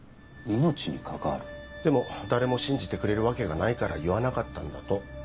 でも誰も信じてくれるわけがないから言わなかったんだと。